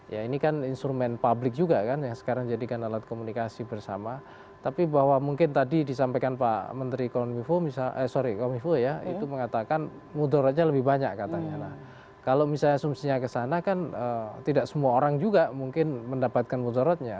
ya ini kan instrumen publik juga kan yang sekarang jadikan alat komunikasi bersama tapi bahwa mungkin tadi disampaikan pak menteri kominfo ya itu mengatakan mundur aja lebih banyak katanya kalau misalnya asumsinya kesana kan tidak semua orang juga mungkin mendapatkan mudorotnya